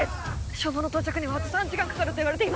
消防の到着にはあと３時間かかると言われています。